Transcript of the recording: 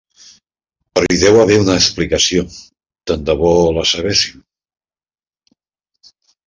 Però hi deu haver una explicació, tant de bo la sabéssim.